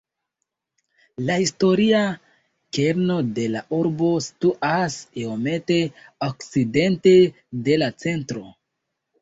La historia kerno de la urbo situas iomete okcidente de la centro.